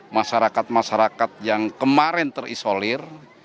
masyarakat masyarakat yang kemarin terisolir